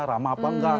rama apa enggak